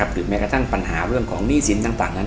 หรือแม้กระทั่งปัญหาเรื่องของหนี้สินต่างนั้น